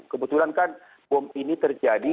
kebetulan kan bom ini terjadi